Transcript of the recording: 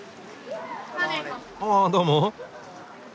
あどうも。